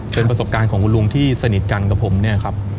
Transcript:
เป็นประสบการณ์ของคุณลุงที่สนิทกันกับผมเนี่ยครับ